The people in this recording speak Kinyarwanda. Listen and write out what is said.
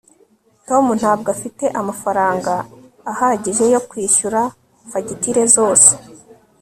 tom ntabwo afite amafaranga ahagije yo kwishyura fagitire zose